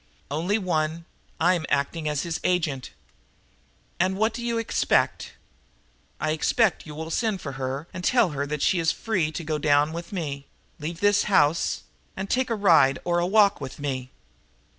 "Only one: I'm acting as his agent." "And what do you expect?" "I expect that you will send for her and tell her that she is free to go down with me leave this house and take a ride or a walk with me."